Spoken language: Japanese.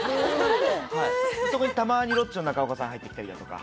はいそこにたまにロッチの中岡さん入ってきたりだとか